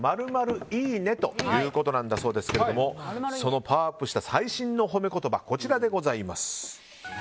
〇〇いいねということなんだそうですがそのパワーアップした最新の褒め言葉、こちらです。